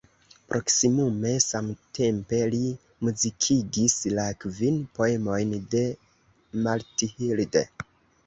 Proksimume samtempe li muzikigis la kvin poemojn de Mathilde.